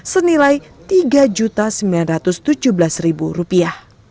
senilai tiga sembilan ratus tujuh belas rupiah